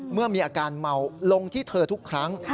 เมื่อมีอาการเมาลงที่เธอทุกครั้ง